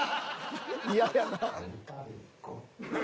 ［嫌やな］